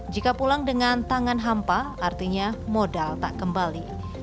jika pulang dengan tangan hampa artinya modal tak kembali